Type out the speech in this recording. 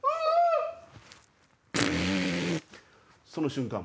その瞬間